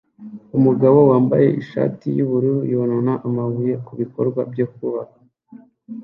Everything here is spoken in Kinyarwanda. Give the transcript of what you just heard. Umugabo wambaye ishati yubururu yonona amabuye kubikorwa byo kubaka